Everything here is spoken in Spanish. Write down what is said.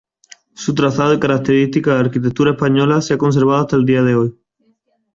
Su trazado y característica arquitectura española se ha conservado hasta el día de hoy.